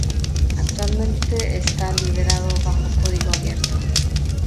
Actualmente está liberado bajo código abierto.